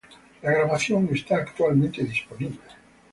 La grabación está actualmente disponible.